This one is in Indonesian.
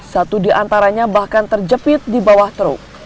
satu di antaranya bahkan terjepit di bawah truk